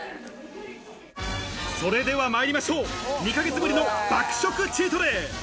それでは参りましょう、２ヶ月ぶりの爆食チートデイ。